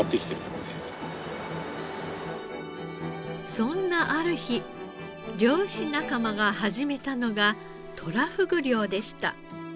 そんなある日漁師仲間が始めたのがとらふぐ漁でした。